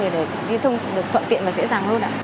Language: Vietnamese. để lưu thông được thuận tiện và dễ dàng hơn